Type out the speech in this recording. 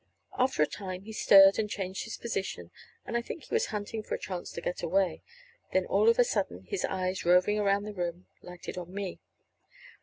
After a time he stirred and changed his position, and I think he was hunting for a chance to get away, when all of a sudden his eyes, roving around the room, lighted on me.